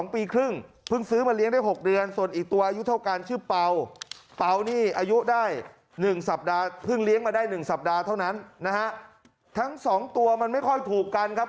เพิ่งเลี้ยงมาได้๑สัปดาห์เท่านั้นทั้ง๒ตัวมันไม่ค่อยถูกกันครับ